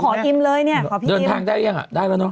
ขออิ่มเลยเนี่ยขอพี่อิ่มเดินทางได้หรือยังได้แล้วเนอะ